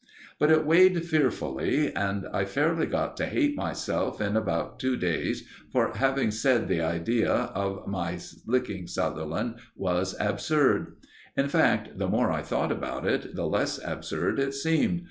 But it weighed fearfully, and I fairly got to hate myself in about two days for having said the idea of my licking Sutherland was absurd. In fact, the more I thought about it, the less absurd it seemed.